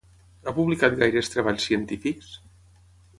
Ha publicat gaires treballs científics?